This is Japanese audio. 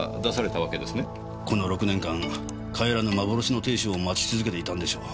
この６年間帰らぬ幻の亭主を待ち続けていたんでしょう。